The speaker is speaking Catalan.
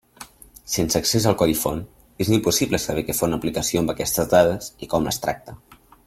Sense accés al codi font és impossible saber què fa una aplicació amb aquestes dades, i com les tracta.